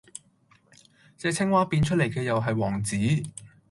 隻青蛙變出嚟嘅又系王子!